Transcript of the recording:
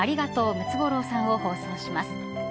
ムツゴロウさん」を放送します。